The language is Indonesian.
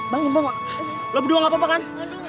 bangun bangun lo berdua gapapa kan